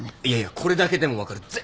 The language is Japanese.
いやいやこれだけでも分かる。